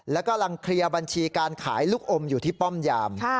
และกำลังเคลียร์บัญชีการขายลูกอมอยู่ที่ป้อมยาม